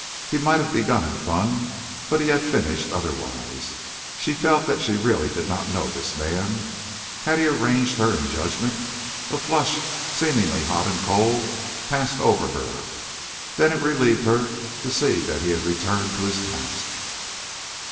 He might have begun in fun, but he had finished otherwise. She felt that she really did not know this man. Had he arraigned her in judgment? A flush, seemingly hot and cold, passed over her. Then it relieved her to see that he had returned to his task.